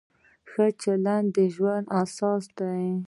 ښه چلند د ژوند اساس دی.